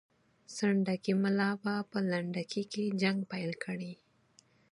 سنډکي ملا به په لنډکي کې جنګ پیل کړي.